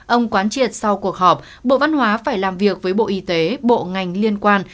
ông quán triệt sau cuộc họp bộ văn hóa phải làm việc với bộ y tế bộ ngành liên quan